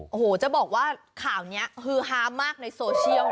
โอ้โหจะบอกว่าข่าวนี้ฮือฮามากในโซเชียล